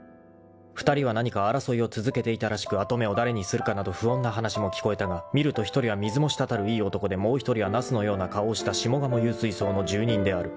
［２人は何か争いを続けていたらしく跡目を誰にするかなど不穏な話も聞こえたが見ると１人は水も滴るいい男でもう１人はナスのような顔をした下鴨幽水荘の住人である］